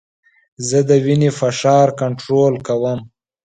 زه د وینې فشار کنټرول کوم.